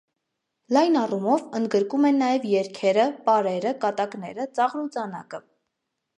Լայն առումով ընդգրկում են նաև երգերը, պարերը, կատակները, ծաղր ու ծանակը։